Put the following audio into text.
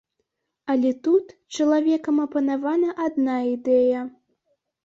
Але тут чалавекам апанавала адна ідэя.